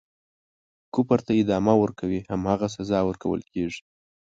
کفر ته ادامه ورکوي هماغه سزا ورکوله کیږي.